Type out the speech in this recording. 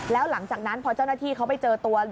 แล้วหลังจากนั้นพอเจ้าหน้าที่เขาไปเจอตัว